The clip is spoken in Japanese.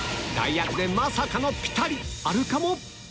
代役でまさかのピタリあるかも？